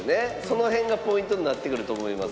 その辺がポイントになってくると思います。